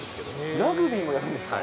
ラグビーもやるんですか。